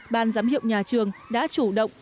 ban giám hiệu nhà trường đã chủ động